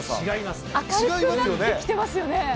違いますよね。